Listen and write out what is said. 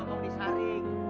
eh bapak mau disaring